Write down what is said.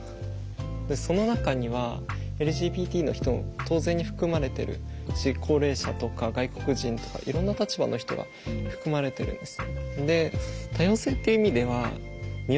その中にはＬＧＢＴの人も当然に含まれてるし高齢者とか外国人とかいろんな立場の人が含まれてるんです。